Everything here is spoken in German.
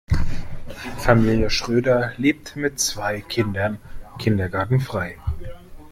Familie Schröder lebt mit zwei Kindern kindergartenfrei.